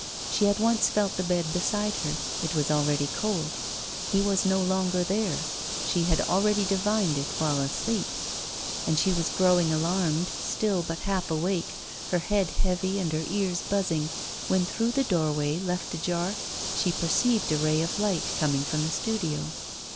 She at once felt the bed beside her, it was already cold: he was no longer there, she had already divined it while asleep. And she was growing alarmed, still but half awake, her head heavy and her ears buzzing, when through the doorway, left ajar, she perceived a ray of light coming from the studio.